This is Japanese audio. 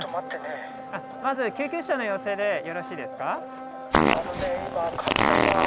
まずは救急車の要請でよろしいですか？